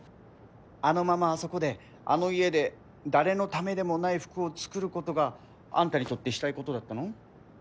あのままあそこであの家で誰のためでもない服を作ることがあんたにとってしたいことだったの？